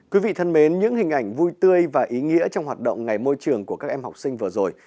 quý vị thân mến những hình ảnh vui tươi và ý nghĩa trong hoạt động ngày môi trường của các em học sinh vừa rồi